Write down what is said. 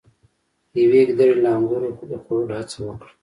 یوې ګیدړې له انګورو د خوړلو هڅه وکړه.